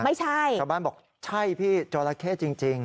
ไม่ใช่ชาวบ้านบอกใช่พี่จอราเข้จริง